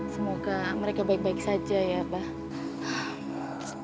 semoga mereka baik baik saja ya mbak